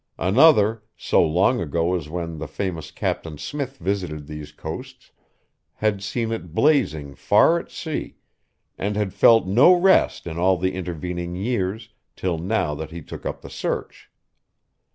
Another, so long ago as when the famous Captain Smith visited these coasts, had seen it blazing far at sea, and had felt no rest in all the intervening years till now that he took up the search.